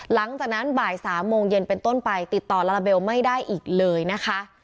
หลังจากนั้นบ่าย๓โมงเย็นเป็นต้นไปติดต่อลาลาเบลไม่ได้อีกเลยนะคะ